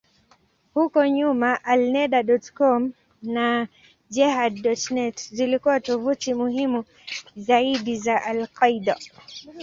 Huko nyuma, Alneda.com na Jehad.net zilikuwa tovuti muhimu zaidi za al-Qaeda.